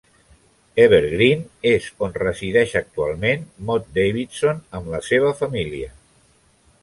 Evergreen és on resideix actualment Mott Davidson amb la seva família.